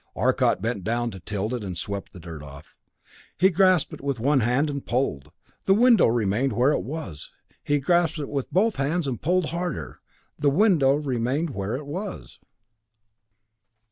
Arcot bent down to tilt it and sweep off the dirt; he grasped it with one hand, and pulled. The window remained where it was. He grasped it with both hands and pulled harder. The window remained where it was.